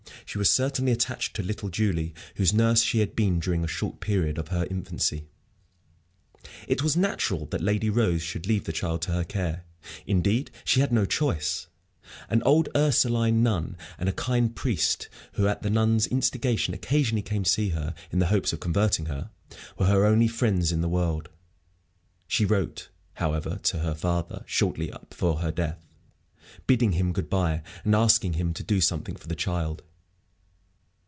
She was certainly attached to little Julie, whose nurse she had been during a short period of her infancy. It was natural that Lady Rose should leave the child to her care. Indeed, she had no choice. An old Ursuline nun, and a kind priest who at the nun's instigation occasionally came to see her, in the hopes of converting her, were her only other friends in the world. She wrote, however, to her father, shortly before her death, bidding him good bye, and asking him to do something for the child.